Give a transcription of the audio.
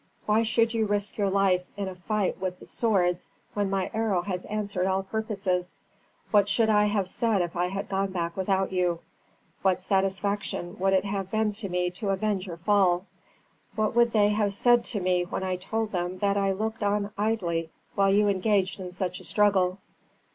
Why should you risk your life in a fight with the swords, when my arrow has answered all purposes? What should I have said if I had gone back without you? What satisfaction would it have been to me to avenge your fall? What would they have said to me when I told them that I looked on idly while you engaged in such a struggle?